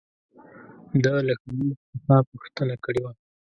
ده له کلایف څخه پوښتنه کړې وه.